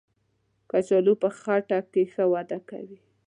کچالو په خټه کې ښه وده کوي